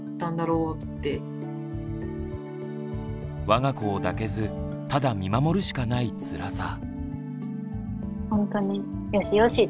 わが子を抱けずただ見守るしかないつらさ。